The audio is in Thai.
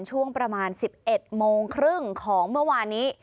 ช่วงประมาณ๑๑โมงครึ่งของเมื่อวานนี้